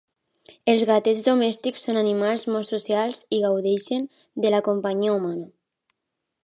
Els gatets domèstics són animals molt socials i gaudeixen de la companyia humana.